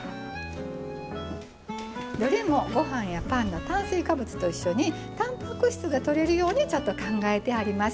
どれもご飯やパンの炭水化物と一緒にたんぱく質がとれるようにちゃんと考えてあります。